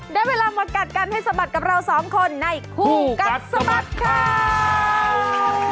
ได้เวลามากัดกันให้สะบัดกับเราสองคนในคู่กัดสะบัดข่าว